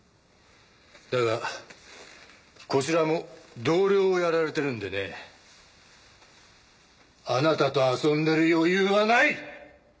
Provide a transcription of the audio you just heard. だがこちらも同僚をやられてるんでねあなたと遊んでる余裕はない！